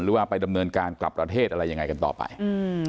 หรือว่าไปดำเนินการกลับประเทศอะไรยังไงกันต่อไปอืม